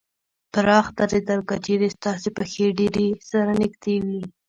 پراخ درېدل : که چېرې ستاسې پښې ډېرې سره نږدې وي